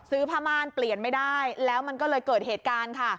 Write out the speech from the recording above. ผ้าม่านเปลี่ยนไม่ได้แล้วมันก็เลยเกิดเหตุการณ์ค่ะ